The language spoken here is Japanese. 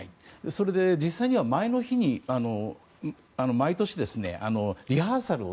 それで、実際には前の日に毎年リハーサルを